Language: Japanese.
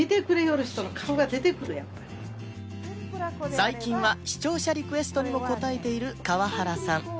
最近は視聴者リクエストにも応えている川原さん